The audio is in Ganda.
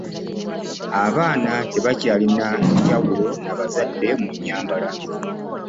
abaana tebakyalina njawulo n'abazadde mu nnyambala